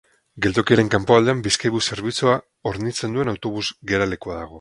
Geltokiaren kanpoaldean Bizkaibus zerbitzua hornitzen duen autobus geralekua dago.